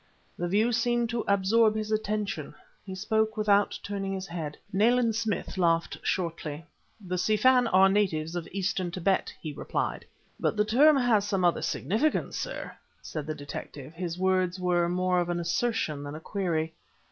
The view seemed to absorb his attention. He spoke without turning his head. Nayland Smith laughed shortly. "The Si Fan are the natives of Eastern Tibet," he replied. "But the term has some other significance, sir?" said the detective; his words were more of an assertion than a query.